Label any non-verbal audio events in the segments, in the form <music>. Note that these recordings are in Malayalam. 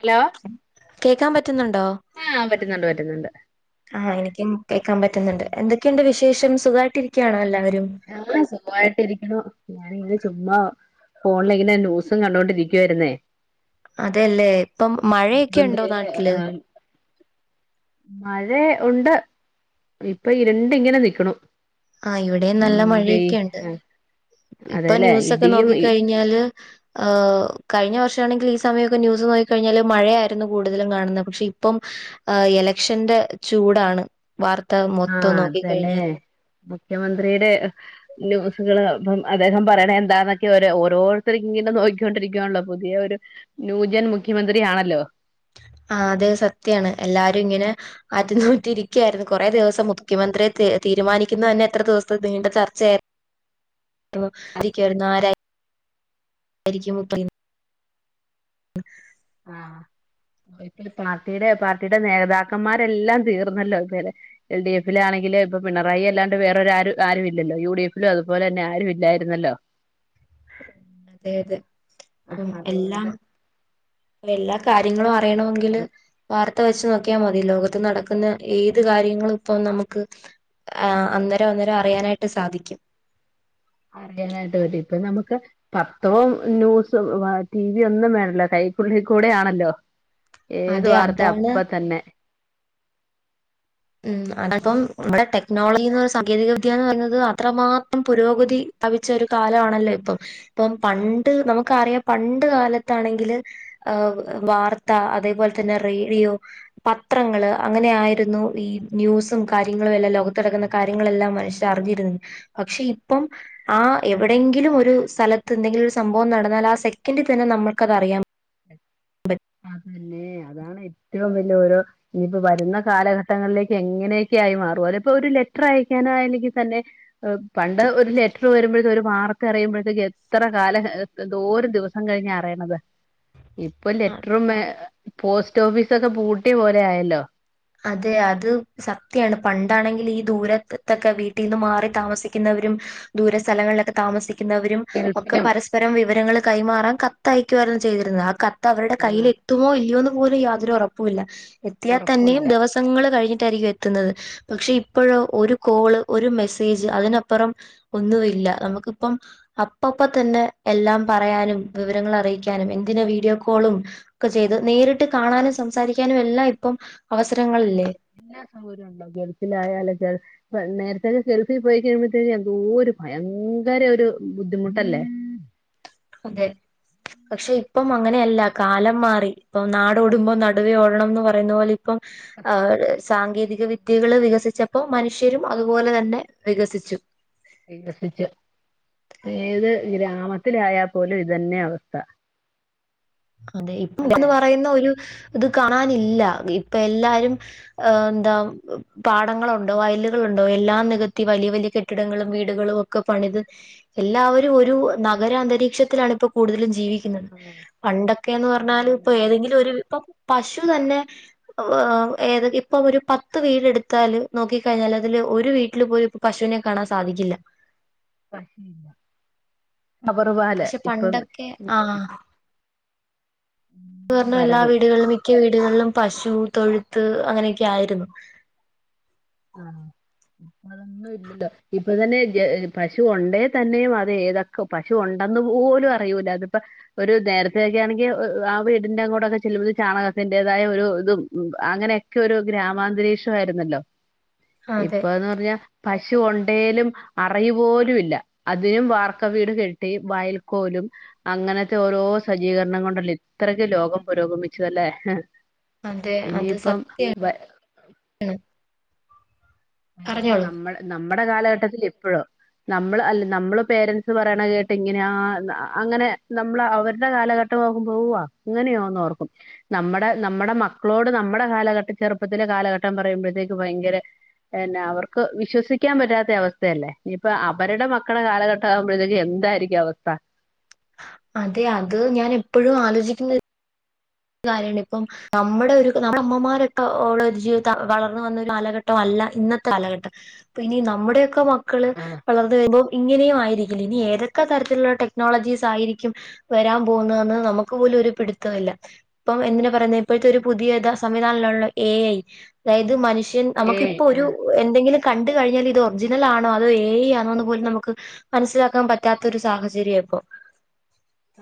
ഹലോ കേക്കാൻ പറ്റുന്നുണ്ടോ ആഹ് പറ്റുന്നുണ്ട് പറ്റുന്നുണ്ട് ആഹ് എനിക്കും കേക്കാൻ പറ്റുന്നുണ്ട് എന്തൊക്കെയുണ്ട് വിശേഷം സുഖായിട്ട് ഇരിക്യാണോ എല്ലാവരും ഞാൻ സുഖമായിട്ട് ഇരിക്കണു ഞാനിങ്ങനെ ചുമ്മാ ഫോണില ഇങ്ങനെ ന്യൂസും കണ്ടോണ്ടിരിക്കുവായിരുന്നേ അതെല്ലേ ഇപ്പം മഴയൊക്കെ ഉണ്ടോ മുഖ്യമന്ത്രിയുടെ നാട്ടിൽ ആഹ് മഴ ഉണ്ട് ഇപ്പൊ ഇരുണ്ടിങ്ങനെ നിക്കണു ആഹ് ഇവിടെയും നല്ല ഉം വെയ് മഴയൊക്കെഉണ്ട് ഇപ്പൊ അതെല്ലേ ന്യൂസൊക്കെ ഇടിയും ഇ നോക്കിക്കഴിഞ്ഞാല് ഹ് കഴിഞ്ഞ വർഷമാണെങ്കിൽ ഈ സമയമൊക്കെ ന്യൂസ് നോക്കി കഴിഞ്ഞാല് മഴയായിരുന്നു കൂടുതലും കാണുന്നത് പക്ഷെ ഇപ്പം ആഹ് ഇലക്ഷന്റെ ചൂടാണ് വാർത്ത മൊത്തം നോക്കിക്കഴിഞ്ഞാൽ മുഖ്യമന്ത്രീടെ ന്യൂസ്കള് ഇപ്പം അദ്ദേഹം പറയ്ണ എന്താന്നൊക്കെ ഓരോര്ത്തര്ങ്ങനെ നോയിക്കൊണ്ടിരിക്കുവാണല്ലോ പുതിയ ഒര് ന്യൂജൻ മുഖ്യമന്ത്രിയാണല്ലോ ആഹ് അതെ സത്യാണ് എല്ലാരുങ്ങനെ ആറ്റ് നോറ്റ് ഇരിക്ക്യായിരുന്ന് കൊറേ ദിവസം മുഖ്യമന്ത്ര്യേ തീരുമാനിക്കുന്നതെന്നെ എത്ര ദിവസത്തെ നീണ്ട ചർച്ചായി <unintelligible> ആരായി ആയിരിക്കും മുഖ്യൻ <inaudible> ഒരിക്കല് പാർട്ടീടെ പാർട്ടീടെ നേതാക്കന്മാരെല്ലാം തീർന്നല്ലോ ഇതുവരെ എൽ ഡി എഫിലാണെങ്കില് ഇപ്പൊ പിണറായി അല്ലാണ്ട് വേറെറൊര് ആരും ഇല്ലോ യു ഡി എഫിലും അതുപോലെ തന്നെ ആരു ഇല്ലായിര്ന്നല്ലോ അതെ അതെ അപ്പം ആഹ് എല്ലാം അതുകൊണ്ട് എല്ലാ കാര്യങ്ങളൂ അറയണവെങ്കില് അത് വാർത്ത വെച്ച് നോക്കിയാ മതി ലോകത്ത് നടക്കുന്ന ഏത് കാര്യങ്ങളും ഇപ്പം നമുക്ക് ആഹ് അന്നേരം അന്നേരം അറിയാനായിട്ട് സാധിക്ക്യും അറിയാനായിട്ട് പറ്റി ഇപ്പൊ നമുക്ക് പത്തവും ന്യൂസ് ടി വി ഒന്നും വേണല്ലോ കൈക്കുള്ളിക്കൂടെ ആണല്ലോ ഏത് അതെ അതാണ് വാർത്തയപ്പ തന്നെ ഉം ഓ അടക്കം നമ്മടെ ടെക്നോളജിന്ന് പറ സാങ്കേതിക വിദ്യന്ന് പറയ്ന്നത് അത്രമാത്രം പുരോഗതി പ്രാഭിച്ച ഒര് കാലവാണല്ലോ ഇപ്പം ഇപ്പം പണ്ട് നമുക്കറിയാം പണ്ട് കാലത്താണെങ്കില് അഹ് വാർത്ത അതേപോലെ തന്നെ റേഡിയോ പത്രങ്ങള് അങ്ങനെയായിരുന്നു ഈ ന്യൂസും കാര്യങ്ങളും എല്ലാം ലോകത്തടക്ക്ന്ന കാര്യങ്ങളെല്ലാം മനുഷ്യരറിഞ്ഞിര്ന്നത് പക്ഷെ ഇപ്പം ആഹ് എവിടെയെങ്കിലും ഒരു സ്ഥലത്ത് എന്തെങ്കിലും ഒര് സംഭവം നടന്നാല് ആ സെക്കൻഡി തന്നെ നമ്മക്ക്ത് അറിയാം എ ബൻ അതല്ലേ അതാണ് ഏറ്റവും വല്ല്യ ഒരോ ഇനിപ്പോ വരുന്ന കാലഘട്ടങ്ങളിലേക്ക് എങ്ങനെക്ക്യായി മാറും അല്ല ഇപ്പൊ ഒരു ലെറ്റർ അയക്കാനായല്ലെങ്കി തന്നെ പണ്ട് ഒരു ലെറ്റർ വരുമ്പോഴുത്തേ ഒരു വാർത്ത അറിയുമ്പോഴത്തേക്ക് എത്ര കാല എന്തോരം ദിവസം കഴിഞ്ഞാ അറിയ്ണത് ഇപ്പല്ലേ ട്ട്രുമേ പോസ്റ്റ് ഓഫീസൊക്കെ പൂട്ട്യ പോലെയായല്ലോ അതെ അത് സത്യാണ് പണ്ടാണെങ്കില് ഈ ദൂരത്ത്ത്തെക്കെ വീട്ടീന്ന് മാറി താമസിക്കുന്നവരും ദൂര സ്ഥലങ്ങളിലൊക്കെ താമസി ക്കുന്നവരും ഒക്കെ ഗൾഫിലും പരസ്പരം വിവരങ്ങള് കൈമാറാൻ കത്തയക്കുവാരുന്നു ചെയ്തിര്ന്നേ ആഹ് ക കത്തവരുടെ കയ്യിൽ എത്തുമോ ഇല്ല്യോന്ന് പോലും യാതൊരൊറപ്പൂല്ല എത്തിയാ ഉറക്കവും തന്നേം ഇല്ല ദിവസങ്ങള് കഴിഞ്ഞിട്ടായിരിക്കും എത്ത്ന്നത് പക്ഷെ ഇപ്പോഴോ ഒരു കോള് ഒര് മെസ്സേജ് അതിനപ്പറം ഒന്നുവില്ല നമക്ക് ഇപ്പം അപ്പപ്പം തന്നെ എല്ലാം പറയാനും വിവരങ്ങൾ അറിയിക്കാനും എന്തിന് വീഡിയോ കോളും ഒക്കെ ചെയ്ത് നേരിട്ട് കാണാനും സംസാരിക്കാനും എല്ലാം ഇപ്പം അവസരങ്ങളില്ലേ എല്ലാ സൗകര്യോണ്ടോ ഗൾഫിലായാലൊക്കെ നേരത്തേക്കെ ഗെൽഫിൽ പോയി കഴിയുമ്പോഴത്തേക്കും എന്തോ ഒരു ഭയങ്കര ഒര് ബുദ്ധിമുട്ടല്ലേ അതെ പക്ഷെ ഇപ്പം അങ്ങനെയല്ല കാലം മാറി, ഇപ്പൊ നാടോടുമ്പോ നടുവേ ഓടണംന്ന് പറയുന്ന പോലെ ഇപ്പം ആ ഒര് സാങ്കേതിക വിദ്യ വിദ്യകള് വികസിച്ചപ്പോ മനുഷ്യരും അതുപോലെ തന്നെ വികസിച്ചു. വികസിച്ചു ഏത് ഗ്രാമത്തിലായാ പോലും ഇതെന്നെ അവസ്ഥ അതെ അല്ലെ ഇപ്പന്ന് പറയുന്ന ഒരു ഇത് കാണാനില്ല ഇപ്പൊ എല്ലാരും ആഹ് എന്താ പാടങ്ങളുണ്ടോ വയലുകളുണ്ടോ എല്ലാം നികത്തി വലിയ വലിയ കെട്ടിടങ്ങളും വീടുകളും ഒക്കെ പണിത് എല്ലാവരും ഒരു നഗരാന്തരീക്ഷത്തിലാണ് ഇപ്പോ കൂടുതലും ജീവി ആഹ് പണ്ടൊക്കെന്ന് അത് പറഞ്ഞാല് ഇപ്പൊ തന്നെ ഏതെങ്കിലും ഒരു ഇപ്പൊ പശു തന്നെ ഏതെ ഇപ്പൊ ഒരു പത്ത് വീട് എടുത്താൽ നോക്കിക്കഴിഞ്ഞാൽ അതില് ഒരു വീട്ടില് പോയി പശുവിനെ കാണാൻ സാധിക്കില്ല കവറുപാല് പക്ഷെ ഇപ്പം പണ്ടൊക്കെ ആഹ് എല്ലാം പറഞ്ഞ എല്ലാ വരവും വീടുകളിലും മിക്ക വീടുകളിലും പശു തൊഴുത്ത് അങ്ങനെയൊക്കെ ആയിരുന്നു ആഹ് <inaudible> അതൊന്നും ഇല്ലല്ലോ ഇപ്പം തന്നെ പശു ഒണ്ടേ തന്നെയും അത് ഏതൊക്കെ പശുണ്ട് ഉണ്ടന്ന് പോലും അറിയൂല അതിപ്പോ ഒരു നേരത്തൊക്കെ ആണെങ്കിൽ ആ വീടിന്റെ അങ്ങോട്ടൊക്കെ ചെല്ലുമ്പോൾ ചാണകത്തിന്റേതായ ഒരു ഇതും ഉം അങ്ങനെ ഒക്കെ ഒരു ഗ്രാമാന്തരീക്ഷം ആയിരുന്നല്ലോ അതെ ഇപ്പന്ന് പറഞ്ഞാ പശു ഒണ്ടേലും അറിയുപോലും ഇല്ല അതിനും വാർക്ക വീട് കെട്ടി വയൽക്കോലും അങ്ങനത്തെ ഓരോ സജ്ജീകരണം കൊണ്ടല്ല ഇത്രക്ക് ലോകം പുരോഗമിച്ചതല്ലേ അതെ അത് ഇനിയിപ്പം സത്യാണ് വ പറഞ്ഞോളൂ നമ്മ നമ്മുടെ കാലഘട്ടത്തിൽ ഇപ്പൊഴോ നമ്മള് അല്ല നമ്മള് പേരൻസ് പറയണ കേട്ട് ഇങ്ങനെ ആ അങ്ങനെ നമ്മള് അവരുടെ കാലഘട്ട ഇട്ട് നോക്കും പോവാ അങ്ങനെയോ ഒന്ന് ഓർക്കും നമ്മുടെ നമ്മുടെ മക്കളോട് നമ്മുടെ കാലഘട്ടം ചെറുപ്പത്തിലെ കാലഘട്ടം പറയുമ്പോഴത്തേക്ക് ഭയങ്കര പിന്നെ അവർക്ക് വിശ്വസിക്കാൻ പറ്റാത്ത അവസ്ഥയല്ലേ ഇനിയിപ്പൊ അവരുടെ മക്കളെ കാലഘട്ട ആകുമ്പഴത്തേക്ക് എന്തായിരിക്കും അവസ്ഥ അതെ അത് ഞാൻ എപ്പോഴും ആലോചിക്കുന്നത് ഒരു കാര്യാണ് ഇപ്പം നമ്മുടെ ഒരു നമ്മുടെ അമ്മമാരൊക്കെ ഉള്ള ഒരു ജീവിത വളർന്ന് വന്ന ഒരു കാലഘട്ടം അല്ല ഇന്നത്തെ കാലഘട്ടം ഇനി നമ്മുടെയൊക്കെ മക്കള് ആഹ് വളർന്ന് വരുമ്പൊ ഇങ്ങനെയും ആയിരിക്കില്ല. ഇനി ഏതൊക്കെ തരത്തില്ള്ള ടെക്നോളജീസ് ആയിരിക്കും വരാം പോവ്ന്നെന്ന് നമുക്ക് പോലും ഒര് പിടിത്തം ഇല്ല. ഇപ്പം എന്തിനാ പറയുന്നെ ഇപ്പോഴത്തെ ഒര് പുതിയ താ സംവിധാൻലൊള്ള എ ഐ അതായത് മനുഷ്യ.... എൻ അമുക്ക് ഏയ് ഇപ്പൊ ഒരു ആഹ് എന്തെങ്കിലും കണ്ട് കഴിഞ്ഞാല് ഇത് ഒറിജിനലാണൊ അതൊ ഏ ഐ ആണോന്ന് പോലും നമുക്ക് മൻസ്സിലാക്കാം പറ്റാത്തൊരു സാഹചര്യാ ഇപ്പൊ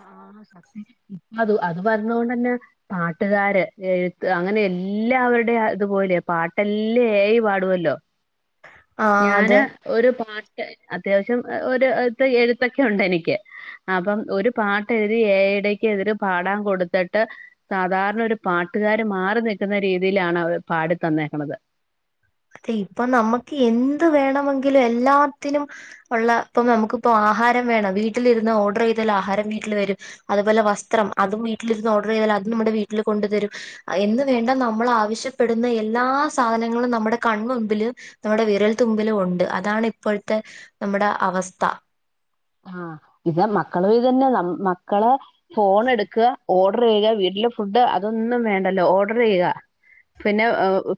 ആഹ് സത്യം ഇപ്പം അത് അത് പർഞ്ഞോണ്ടെന്നെ പാട്ടുകാര്, എഴുത്ത് അങ്ങനെ എല്ലാവരുടെയും അതുപോലെ പാട്ടെല്ലെ എ ഐ പാടുവല്ലൊ. <inaudible> അതെ ഞാന് ഒരു പാട്ട് അത്യാവശ്യം എഹ് ഒര് ത്തെ എഴുത്തൊക്കെ ഒണ്ട് എനിക്ക്. അപ്പം ഒര് പാട്ടെഴുതി ഏ ഐ ടേക്ക് എതിര് പാടാം കൊട്ത്ത്ട്ട് സാധാര്ണ ഒരു പാട്ടുകാര് മാറി നിക്കുന്ന രീതിയിലാണ് അവർ പാടി തന്നേക്ക്ണത്. അതെ ഇപ്പം നമ്മുക്ക് എന്ത് വേണമെങ്കിലും എല്ലാത്തിനും ഉള്ള പ്പം നമുക്ക്പ്പൊ ആഹാരം വേണം വീട്ടിലിരുന്ന് ഓർഡർ ചെയ്താൽ ആഹാരം വീട്ടിൽ വരും. അതുപോലെ വസ്ത്രം അതും വീട്ടിലിരുന്ന് ഓർഡറെയ്താല് അതും നമ്മുടെ വീട്ടില് കൊണ്ട് തരും. അ എന്ന് വേണ്ട നമ്മൾ ആവശ്യപ്പെടുന്ന എല്ലാ സാധനങ്ങളും നമ്മുടെ കൺമുമ്പ് ല് നമ്മുടെ വിരൽ തുമ്പിലും ഒണ്ട്. അതാണ് ഇപ്പോഴത്തെ നമ്മുടെ അവസ്ഥ. ആഹ് ഇതാ മക്കള് ഇതെന്നെ. നമ് മക്കളെ ഫോൺ എട്ക്കാ ഓർഡറെയ്യാ വീട്ടിലെ ഫുഡ് അതൊന്നും വേണ്ടല്ലൊ. ഓർഡറെയ്യുക പിന്നെ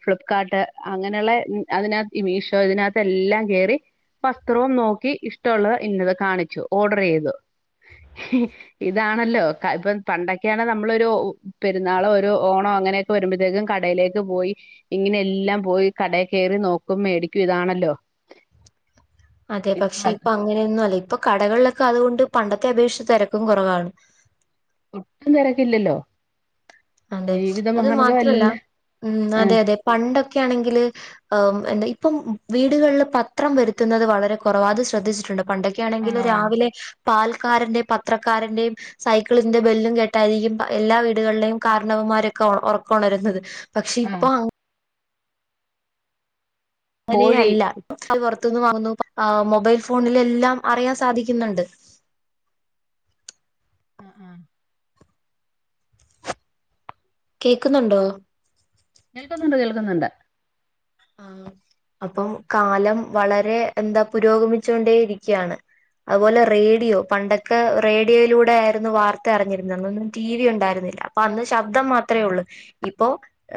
ഫ്ലിപ്കാർട്ട് അങ്ങനെയുള്ള മ് അതിനക മീഷോ ഇതിനാത്ത് എല്ലാം കേറി വസ്ത്രവും നോക്കി ഇഷ്ടമുള്ളത് ഇന്നത് കാണിച്ചു ഓർഡറെയ്തു. ഇതാണല്ലൊ ക്ക പ്പം പണ്ടൊക്കെയാണ് നമ്മളൊരു ഉ പെരുന്നാളൊ ഒരു ഓണൊ അങ്ങനെ വരുമ്പഴത്തേക്കും കടയിലേക്ക് പോയി ഇങ്ങനെ എല്ലാം പോയി കടേ കേറി നോക്കും മേടിക്കും ഇതാണല്ലൊ <inaudible> അതെ പക്ഷെ ഇപ്പൊ അങ്ങനെയൊന്നു അല്ല. ഇപ്പൊ കടകൾലൊക്കെ അതുകൊണ്ട് പണ്ടത്തെ അപേക്ഷിച്ച് തെരക്കും കൊറവാണ്. ഒട്ടും തെരക്കില്ലല്ലൊ. അതെ. അത് മാത്രല്ല എല്ലാം ഉം ഉം. ആഹ് അതെ അതെ. പണ്ടൊക്കെ ആണെങ്കില് അഹ് എന്താ ഇപ്പം വീടുകൾല് പത്രം വെരുത്തുന്നത് വളരെ കൊറവാ. അത് ശ്രദ്ധിച്ചിട്ട് ണ്ടൊ പണ്ടെ യാണെങ്കില് ആഹ് രാവിലെ പാൽക്കാരൻ്റെ, പത്രക്കാരന്റെയും സൈക്ക്ള്ന്റെ ബെല്ലും കേട്ടായിരിക്കും പ്പ എല്ലാ വീടുകൾലേയും കാരണവന്മാരൊക്കെ ഒർ ഒറക്കൊണരുന്നത്. പക്ഷെ ആഹ് ഇപ്പൊ കോഴി ങ്ങനെയല്ല <unintelligible> പൊറ്ത്തുന്ന് വാങ്ങുന്നു. പ്പ ആഹ് മൊബൈൽ ഫോണിലെല്ലാം അറിയാൻ സാധിക്കുന്നുണ്ട്. ആഹ് ആഹ് കേക്കുന്നുണ്ടോ? കേൾക്കുന്നുണ്ട് കേൾക്കുന്നുണ്ട്. ആഹ്. അപ്പം കാലം വളരെ എന്താ പുരോഗമിച്ചോണ്ടേ ഇരിക്കാണ്. അത് പോലെ റേഡിയൊ. പണ്ടൊക്കെ റേഡിയോയിലൂടായിരുന്നു വാർത്ത അറിഞ്ഞിരുന്നെ. അന്നൊന്നും ടി വി ഉണ്ടായിരുന്നില്ല. അപ്പൊ അന്ന് ശബ്ദം മാത്രേ ആഹ് ഒള്ള്. ഇപ്പൊ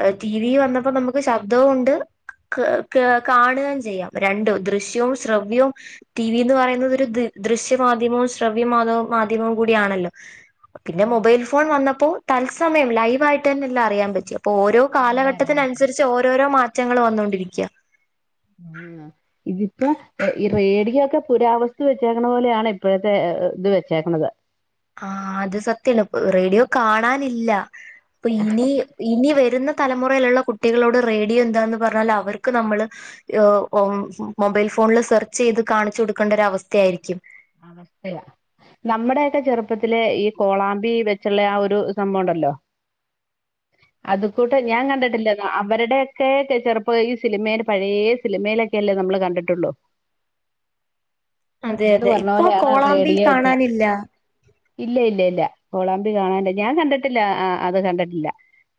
ഏഹ് ടി വി വന്നപ്പൊ നമുക്ക് ശബ്ധൊ ഒണ്ട്. ക് ക്യാ കാണേം ചെയ്യാം രണ്ടും. ദൃശ്യവും, ശ്രവ്യവും ടി വി എന്ന് പറയുന്നത് ഒരു ദ് ദൃശ്യ മാധ്യമവും, ശ്രവ്യ മാധവും മാധ്യമം കൂടിയാണല്ലൊ. പിന്നെ ആഹ് മൊബൈൽ ഫോൺ വന്നപ്പൊ തത്സമയം ലൈവായിട്ടെന്നെല്ലാ അറിയാൻ പറ്റും. പ്പൊ ഓരോ എല്ലാം അറിയാൻ പറ്റും കാലഘട്ടത്തിനൻസരിച്ച് ഓരോരോ മാറ്റങ്ങൾ വന്നോണ്ടിരി ക്യാ. ആഹ് ഇതിപ്പോ ഈ റേഡിയൊക്കെ പുരാവസ്തു വെച്ചേക്കണ പോലെയാണ് ഇപ്പോഴത്തെ ആ ഇത് വെച്ചേക്കണത്. ആഹ് അത് സത്യല്ലെ റേഡിയോ കാണാനില്ല. പ്പൊ ഇനി ഇനി വരുന്ന തല മുറയിലുള്ള കുട്ടികളോട് റേഡിയോ എന്താണന്ന് പറഞ്ഞാൽ അവർക്ക് നമ്മള് യോ ഓം മൊബൈൽ ഫോണിൽ സെർച്ചെയ്ത് കാണിച്ചു കൊടുക്കേണ്ട ഒരവസ്ഥേയിരിക്കും. അവസ്ഥയാ നമ്മടെയെക്കെ ചെറുപ്പത്തില് ഈ കോളാമ്പി വെച്ചുള്ള ആ ഒരു സംഭവണ്ടല്ലോ അത് കൂട്ട ഞാൻ കണ്ടിട്ടില്ലെന്നാ അവരുടെയൊക്കെ ചെ ചെറുപ്പയീ സിനിമേല് പഴേ സിനിമേലൊക്കല്ലേ നമ്മള് കണ്ടിട്ടൊള്ളു അതെ എന്ന് അതെ പറഞ്ഞ ഇപ്പൊ പോലെയാണ് കോളാമ്പി റേഡിയോ ഒക്കെ കാണാനില്ല. ഇല്ല ഇല്ല ഇല്ല കോളാമ്പി കാണാനില് ഞാൻ കണ്ടിട്ടില്ല ആ അത് കണ്ടിട്ടില്ല.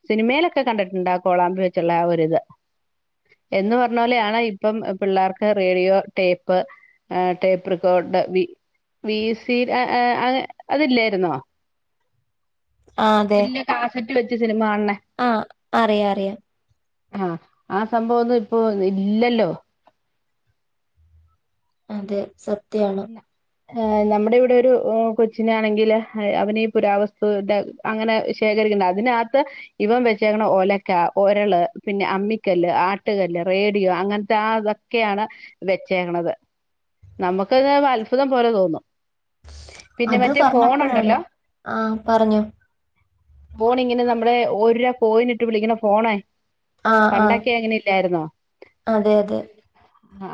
സിനിമേലൊക്കെ കണ്ടിട്ടുണ്ട് അകോളാമ്പി വെച്ചുള്ള ആ ഒരിത്. എന്നു പറഞ്ഞോല് ഞാനാ ഇപ്പം പിള്ളേർക്ക് റേഡിയോ, ടേപ്പ് ആ ടേപ്പ്റെകോഡ് വി വി സി ആഹ് ആഹ് അതില്ലായിരുന്നോ? ആ അതെ വല്ല്യ കാസറ്റ് വെച്ച് സിനിമ കാൺണെ. ആ അറിയാം അറിയാം ആഹ് ആ സംഭവൊന്നിപ്പൊ ഇല്ലല്ലോ. അതെ സത്യാണ്. അ് നമ്മുടെ ഇവിടെ ഒരു കൊച്ചിനൊണെങ്കിൽ ആഹ് അവനീ പുരാവസ്തുൻ്റെ അങ്ങനെ ശേഖരിക്ക്ണ്ട് അതിനാത്ത് ഇവം വെച്ചേക്ക്ണ് ഒലക്ക, ഒരള്, പിന്നെ അമ്മിക്കല്ല്, ആട്ടുകല്ല്, റേഡിയോ അങ്ങൻത്തെ ആതൊ ക്കെയാണ് വെച്ചേക്ക്ണത് നമുക്കത് അത്ഭുതം പോലെ തോന്നും. പിന്നെ അത് മറ്റേ പറഞ്ഞപ്പഴാണ് ഫോണുണ്ടല്ലോ ആഹ് പറഞ്ഞോ. ഫോണിങ്ങനെ നമ്മള് ഒരോ കോയിനിട്ട് വിളിക്കണ ഫോണ ആ ആ പണ്ടൊക്കെ അങ്ങനെ ഇല്ലായിരുന്നോ അതെ അതെ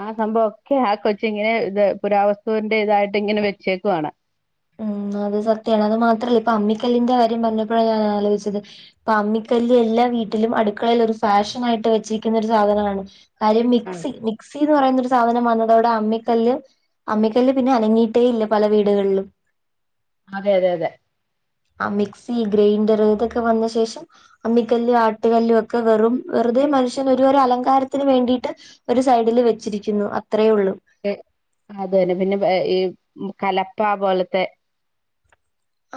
ആഹ് സംഭവൊക്കെ ആ കൊച്ച് ഇങ്ങനെ ഇത് പുരാവസ്തുവിന്റെ ഇതായിട്ട് ഇങ്ങനെ വെച്ചേക്കുവാണ്. ഉം അത് സത്യാണ് അത് മാത്രല്ല ഇപ്പൊ അമ്മിക്കല്ലിന്റെ കാര്യം പറഞ്ഞപ്പഴാ ഞാൻ ആലോയിച്ചത്. ഇപ്പൊ അമ്മിക്കല്ല് എല്ലാ വീട്ടിലും അടുക്കളേല് ഒരു ഫാഷനായിട്ട് വെച്ചിരിക്കുന്ന ഒരു സാധനാണ്. കാര്യം ആ മിക്സി മിക്സ് സീന്ന് പറയുന്നൊരു സാധനം വന്നതോടെ അമ്മിക്കല്ല് അമ്മിക്കല്ല് പിന്നെ അനങ്ങിയിട്ടേ ഇല്ല പല വീടുകൾലും. അതെ അതെതെ. ആ മിക്സി ഗ്രൈൻഡർ ഇതൊക്കെ വന്നശേഷം. അമ്മിക്കല്ല് ആട്ടുകലൊക്കെ വെറും വെറുതെ മനുഷ്യൻ ഒരു അലങ്കാരത്തിന് വേണ്ടിട്ട്. ഒരു സൈഡില് വെച്ചിരിക്കുന്നു അത്രയുള്ളൂ. അത് അതന്നെ പിന്നെ ഈ കലപ്പ പോലത്തെ.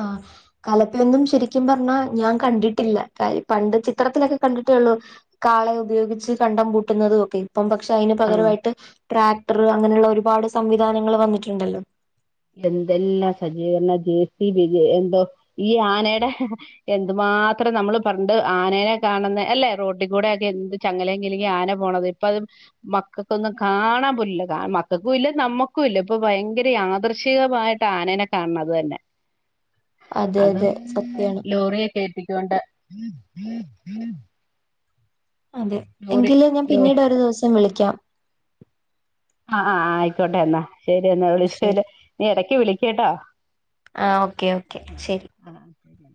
ആഹ്. കലപ്പയൊന്നും ശരിക്കും പറഞ്ഞാ ഞാൻ കണ്ടിട്ടില്ല കാര് പണ്ട് ചിത്രത്തിലൊക്കെ കണ്ടിട്ടൊള്ളു. കാളെ ഉപയോഗിച്ച് കണ്ടം പൂട്ടുന്നതൊക്കെ. ഇപ്പം പക്ഷെ അയിന് ആഹ് പകരമായിട്ട് ട്രാക്ടർ അങ്ങനെയുള്ള ഒരുപാട് സംവിധാനങ്ങൾ വന്നിട്ടുണ്ടല്ലോ. എന്തെല്ലാം സജീകരണം ജെ സ് വിജ എന്തോ ഈ ആനെടെ. എന്തു മാത്രം നമ്മള് പണ്ട് ആനനെ കാണുന്നെ അല്ലേ റോട്ടികൂടെക്കെ എന്ത് ചങ്ങലെകിലിങ്ങി ആന പോണത്. ഇപ്പ അത് മക്കൾക്കൊന്നും കാണാൻ പോലില്ല മക്കൾക്കും ഇല്ല നമ്മക്കും ഇല്ല ഇപ്പ ഭയങ്കര യാദ ഷികമായിട്ട ആനേനെ കാണണത് തന്നെ. അതെ അതും അതെ സത്യാണ് ലോറിയേ കേറ്റിക്കൊണ്ട്. അതെ ലോറി എങ്കില് ഞാൻ ലോ പിന്നീട് ഒരു ദിവസം വിളിക്കാം. ആഹ് ആഹ് ആയിക്കോട്ടെ എന്നാ ശരി എന്നാ ശരി വിളിച്ചതില് നീ എടക്ക് വിളിക്ക്ട്ടോ? ആഹ് ഓക്കെ ഓക്കെ ശരി ആ ആ ശരി